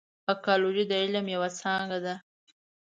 اکولوژي د علم یوه څانګه ده.